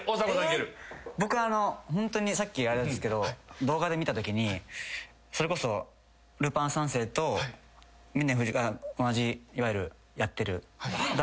僕あのホントにさっきあれなんですけど動画で見たときにそれこそルパン三世と峰同じいわゆる。